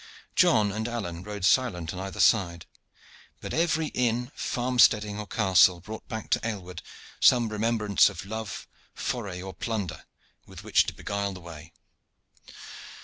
John and Alleyne rode silent on either side, but every inn, farm steading, or castle brought back to Aylward some remembrance of love, foray, or plunder, with which to beguile the way.